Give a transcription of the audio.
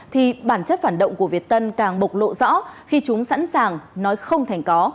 thì bản chất phản động của việt tân càng bộc lộ rõ khi chúng sẵn sàng nói không thành có